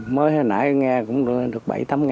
mới hồi nãy nghe cũng lên được bảy tám